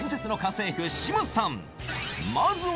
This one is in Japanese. まずは！